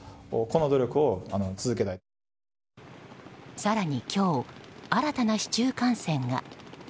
更に今日、新たな市中感染が。